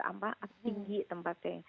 apa tinggi tempatnya